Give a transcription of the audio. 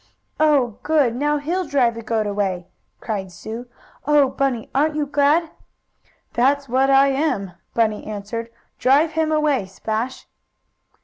"Oh, good! Now he'll drive the goat away!" cried Sue. "Oh, Bunny; aren't you glad!" "That's what I am!" Bunny answered. "Drive him away, Splash!"